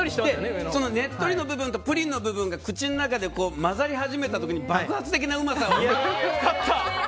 ねっとりの部分とプリンの部分が口の中で混ざり始めた時に爆発的なうまさが。